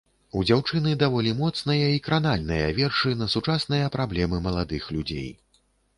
У дзяўчыны даволі моцныя і кранальныя вершы на сучасныя праблемы маладых людзей.